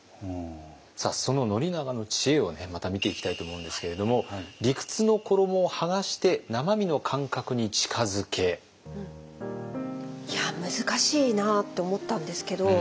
その宣長の知恵をまた見ていきたいと思うんですけれども難しいなって思ったんですけど。